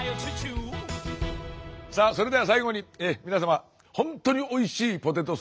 さあそれでは最後に皆様ほんとにおいしいポテトサラダ。